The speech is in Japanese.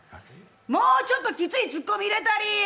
もうちょっときついツッコミ入れてやり。